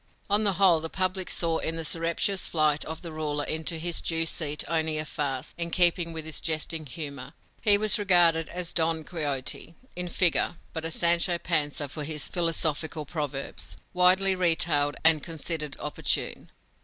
On the whole the public saw in the surreptitious flight of the ruler into his due seat only a farce, in keeping with his jesting humor he was regarded as a Don Quixote in figure, but a Sancho Panza, for his philosophic proverbs, widely retailed and considered opportune.